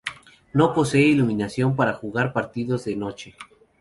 No posee iluminación para jugar partidos de noche.